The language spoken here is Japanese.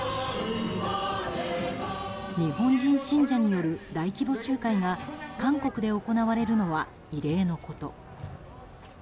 日本人信者による大規模集会が韓国で行われるのは異例のこと。